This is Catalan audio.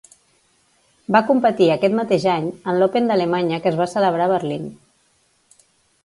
Va competir aquest mateix any en l'Open d'Alemanya que es va celebrar a Berlín.